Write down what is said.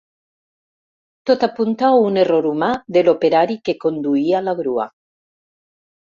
Tot apunta a un error humà de l'operari que conduïa la grua.